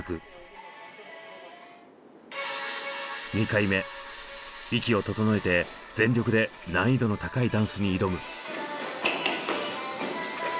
２回目息を整えて全力で難易度の高いダンスに挑む。